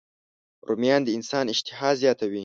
رومیان د انسان اشتها زیاتوي